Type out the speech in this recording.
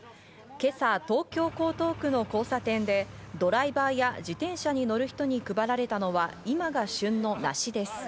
今朝、東京・江東区の交差点で、ドライバーや自転車に乗る人に配られたのは今が旬の梨です。